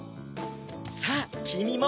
さぁきみも。